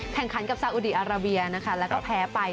แข่งขันกับซาอุดีอาราเบียนะคะแล้วก็แพ้ไป